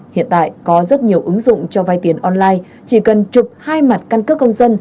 hiện tại có rất nhiều ứng dụng cho vai tiền online chỉ cần chụp hai mặt căn cước công dân